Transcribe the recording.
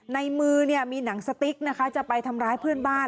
ในมือมีหนังสติ๊กนะคะจะไปทำร้ายเพื่อนบ้าน